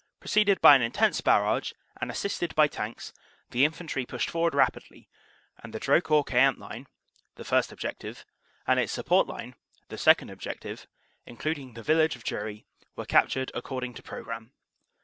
Preceded by an intense barrage and assisted by Tanks, the Infantry pushed forward rapidly, and the Drocourt Queant line (the first objective) and its support line (the second objective), includ ing the village of Dury, were captured according to pro gramme.